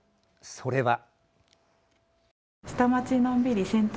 それは。